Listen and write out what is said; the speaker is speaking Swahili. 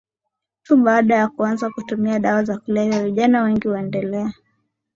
tu baada ya kuanza kutumia dawa za kulevya vijana wengi huendelea